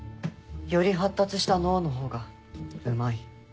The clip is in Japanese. より発達した脳の方がうまい。